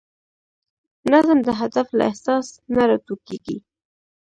نظم د هدف له احساس نه راټوکېږي.